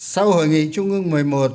sau hội nghị trung ương một mươi một